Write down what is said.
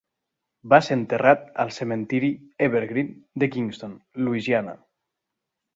Va ser enterrat al cementiri Evergreen de Kingston, Louisiana.